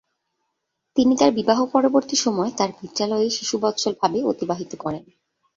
তিনি তার বিবাহপরবর্তী সময় তার পিত্রালয়েই শিশুবৎসলভাবে অতিবাহিত করেন।